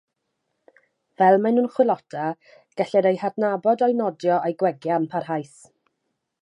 Fel maen nhw'n chwilota, gellir eu hadnabod o'u nodio a'u gwegian parhaus.